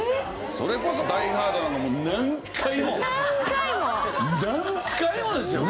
それこそ『ダイ・ハード』なんかもう何回も何回もですよね。